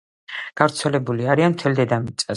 გავრცელებული არიან მთელ დედამიწაზე.